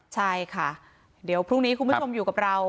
ใช่ค่ะเดี๋ยวพรุ่งนี้คุณผู้ชมอยู่กับเรา